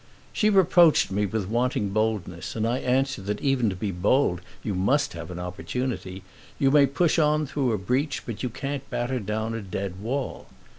She reproached me with wanting boldness, and I answered that even to be bold you must have an opportunity: you may push on through a breach but you can't batter down a dead wall.